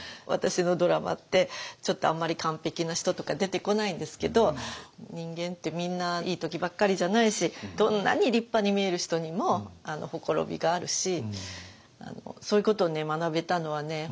私のドラマってちょっとあんまり完璧な人とか出てこないんですけど人間ってみんないい時ばっかりじゃないしどんなに立派に見える人にも綻びがあるしそういうことを学べたのはね